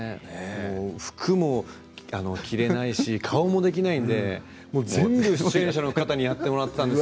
服も着られないし顔もできないので全部、出演者の方にやってもらったんです。